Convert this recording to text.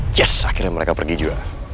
just akhirnya mereka pergi juga